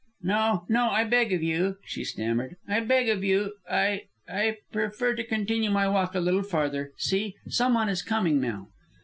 "No, no, I beg of you," she stammered. "I beg of you ... I ... I prefer to continue my walk a little farther. See! Some one is coming now!"